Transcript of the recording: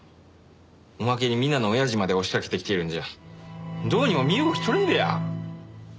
おまけにミナの親父まで押しかけてきてるんじゃどうにも身動き取れんべや。